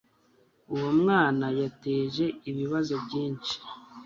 Uwo mwana yateje ibibazo byinshi.